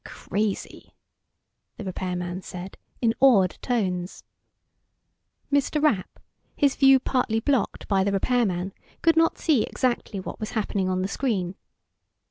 "Crazy!" the repairman said, in awed tones. Mr. Rapp, his view partly blocked by the repairman, could not see exactly what was happening on the screen.